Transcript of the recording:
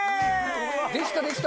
できたできた！